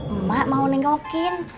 emak mau nengokin